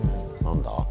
何だ？